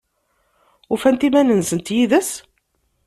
Ufant iman-nsent yid-s?